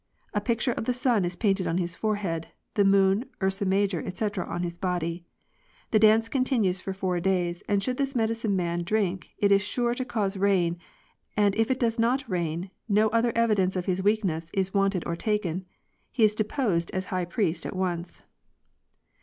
A picture of the sun is painted on his forehead, the moon, ursa major, etc, on his body. The dance continues for four days, and should this medicine man drink it is sure to cause rain, and if it [does not] rains no other evidence of his weakness is wanted or taken. He is deposed as high priest at once.